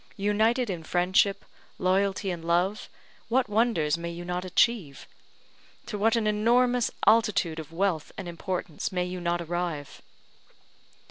United in friendship, loyalty, and love, what wonders may you not achieve? to what an enormous altitude of wealth and importance may you not arrive?